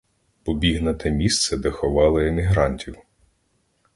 Побіг на те місце, де ховали емігрантів.